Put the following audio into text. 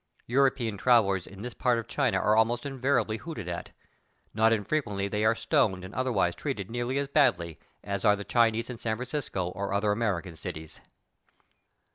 European trav elers in this part of China are almost invariably hooted at; not infrequently they are stoned and otherwise treated nearly as badly as are the Chinese in San Francisco and other A.merican cities.